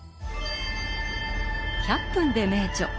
「１００分ｄｅ名著」